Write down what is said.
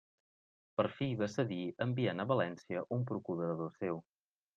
Per fi, va cedir, enviant a València un procurador seu.